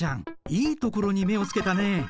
いいところに目をつけたね。